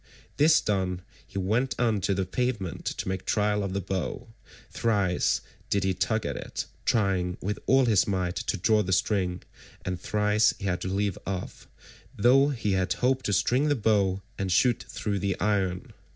This done, he went on to the pavement to make trial of the bow; thrice did he tug at it, trying with all his might to draw the string, and thrice he had to leave off, though he had hoped to string the bow and shoot through the iron.